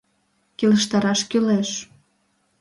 — Келыштараш кӱлеш.